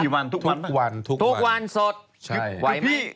กี่วันทุกวันไหมครับทุกวันทุกวันสดใช่